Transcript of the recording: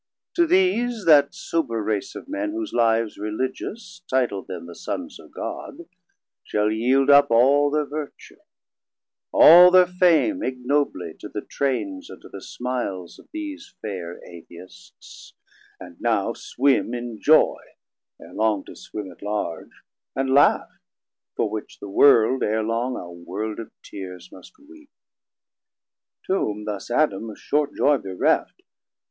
To these that sober Race of Men, whose lives Religious titl'd them the Sons of God, Shall yeild up all thir vertue, all thir fame Ignobly, to the trains and to the smiles 620 Of these fair Atheists, and now swim in joy, (Erelong to swim at larg) and laugh; for which The world erelong a world of tears must weepe. To whom thus Adam of short joy bereft.